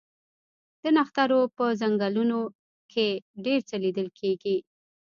د نښترو په ځنګلونو کې ډیر څه لیدل کیږي